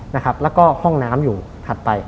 นะครับแล้วก็ห้องน้ำอยู่ถัดไป